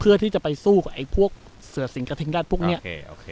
เพื่อที่จะไปสู้กับไอ้พวกเสือสิงห์กระทิงรัดพวกเนี้ยโอเคโอเค